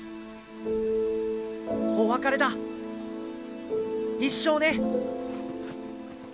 お別れだ一生ね。